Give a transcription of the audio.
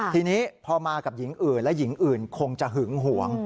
ทีนี้พอมากับหญิงอื่นและหญิงอื่นคงจะหึงหวง